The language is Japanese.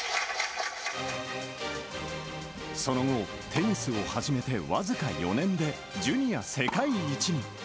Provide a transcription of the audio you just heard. その後、テニスを始めて僅か４年でジュニア世界一に。